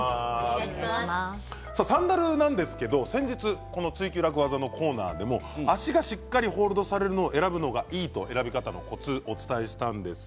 サンダルは先日、この「ツイＱ楽ワザ」のコーナーでも足がしっかりホールドされるものがいいと選び方のコツをお伝えしました。